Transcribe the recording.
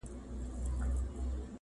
د هلمند څخه شرنګى د امېلونو!!